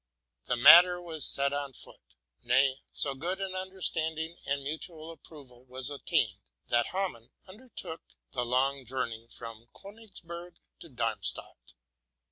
The matter was set on foot; nay, so good an "understanding and mutual approval was attained, "that Hamann undertook the long journey from Konigsberg to Darmstadt.